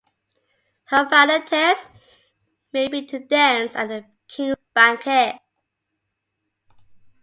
Her final test may be to dance at the king's banquet.